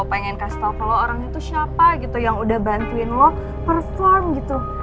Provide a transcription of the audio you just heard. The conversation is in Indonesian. pengen kasih tau ke lo orangnya tuh siapa gitu yang udah bantuin lo perform gitu